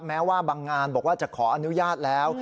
แม้ว่าบางงานบอกว่าจะขออนุญาตแล้ว